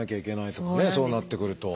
そうなってくると。